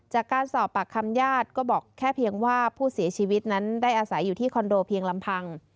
จากการสอบปากคำญาติก็บอกแค่เพียงว่าผู้เสียชีวิตนั้นได้อาศัยอยู่ที่คอนโดเพียงลำพัง